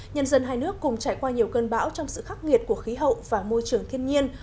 nhân dân hai nước cùng trải qua nhiều cơn bão trong sự khắc nghiệt của khí hậu và môi trường thiên nhiên